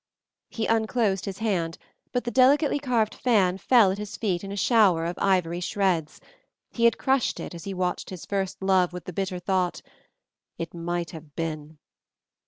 He unclosed his hand, but the delicately carved fan fell at his feet in a shower of ivory shreds he had crushed it as he watched his first love with the bitter thought "It might have been!"